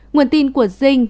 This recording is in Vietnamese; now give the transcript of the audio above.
nguồn tin của dinh